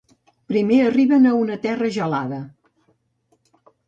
Primer arriben a una terra gelada.